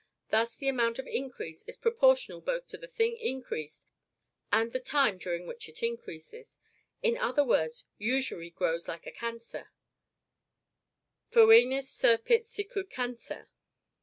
Thus, the amount of increase is proportional both to the thing increased, and the time during which it increases; in other words, usury grows like a cancer foenus serpit sicut cancer. 2.